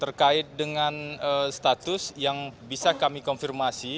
terkait dengan status yang bisa kami konfirmasi